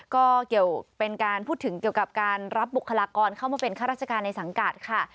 ก็เกี่ยวเป็นการพูดถึงเกี่ยวกับการรับบุคลากรเข้ามาเป็นข้าราชการในสังกัดค่ะ